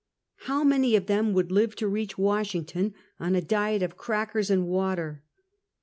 How many of them would live to reach Washington on a diet of crackers and water?